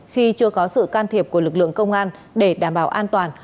khi chưa có sự can thiệp của lực lượng công an để đảm bảo an toàn